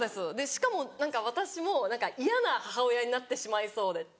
しかも私も嫌な母親になってしまいそうで。